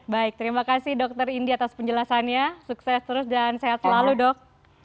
baik terima kasih dokter indi atas penjelasannya sukses terus dan sehat selalu dok